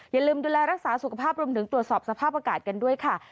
อย่าลืมดูแลรักษาสุขภาพรวมถึงตรวจสอบสภาพอากาศกันด้วยค่ะ